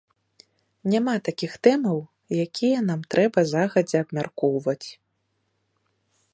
Няма такіх тэмаў, якія нам трэба загадзя абмяркоўваць.